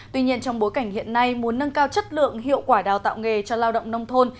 tuy nhiên trong bối cảnh hiện nay muốn nâng cao chất lượng hiệu quả đào tạo nghề cho lao động nông thôn